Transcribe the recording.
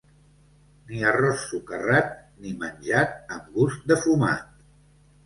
Ni arròs socarrat ni menjat amb gust de fumat.